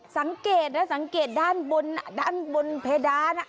สังเกตนะสังเกตด้านบนด้านบนเพดาน